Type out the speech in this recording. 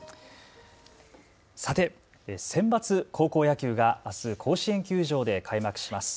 さて、センバツ高校野球があす甲子園球場で開幕します。